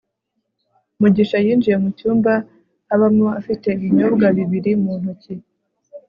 mugisha yinjiye mu cyumba abamo afite ibinyobwa bibiri mu ntoki